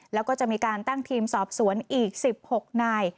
แล้วก็จะมีการตั้งทีมสอบสวนอีก๑๖นาย